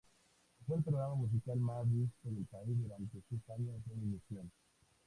Fue el programa musical más visto del país durante sus años de emisión.